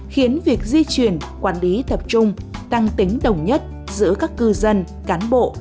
khiến việc di chuyển quản lý thập trung tăng tính đồng nhất giữa các cư dân cán bộ